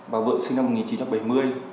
bà vượng sinh năm một nghìn chín trăm bảy mươi